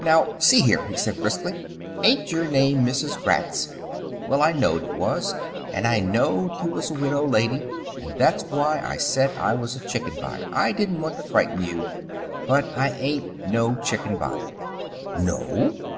"Now see here," he said briskly, "ain't your name Mrs. Gratz? Well, I knowed it was, and I knowed you was a widow lady, and that's why I said I was a chicken buyer. I didn't want to frighten you. But I ain't no chicken buyer." "No?"